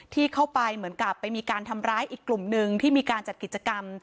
ที่เข้าไปเหมือนกับไปมีการทำร้ายอีกกลุ่มหนึ่งที่มีการจัดกิจกรรม